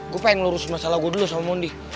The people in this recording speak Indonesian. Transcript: gue pengen lurus masalah gue dulu sama mundi